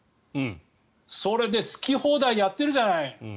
それで好き放題にやっているじゃない。